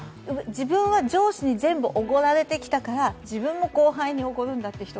自分は上司に全部おごられてきたから、自分は後輩におごるんだと。